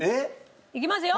いきますよ！